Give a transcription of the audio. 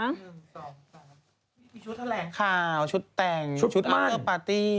มีชุดแถลงข่าวชุดแต่งชุดเสื้อปาร์ตี้